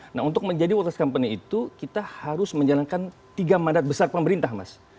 nah untuk menjadi wortest company itu kita harus menjalankan tiga mandat besar pemerintah mas